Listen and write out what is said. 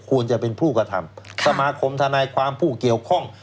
ควรจะเป็นผู้กระทำสมาคมทนายความผู้เกี่ยวข้อง